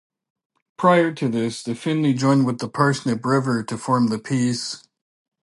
Prior to this, the Finlay joined with the Parsnip River to form the Peace.